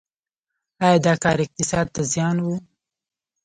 آیا دا کار اقتصاد ته زیان و؟